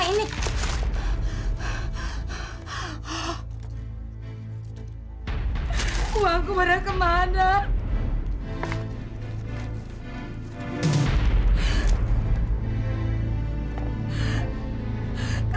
kenapa victor belah diri sedemikian